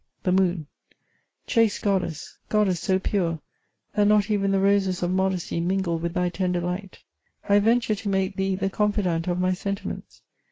" THE MOON ''^Chaste goddess ! goddess so pure, that not even the roses of modesty mingle with thy tender light. I venture to make thee the confidante of my sentiments.